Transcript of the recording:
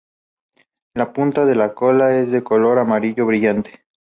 La punta de su cola es de color amarillo brillante.